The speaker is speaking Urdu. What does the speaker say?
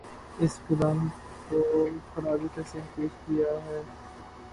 اس قدام کو خراج تحسین پیش کیا ہے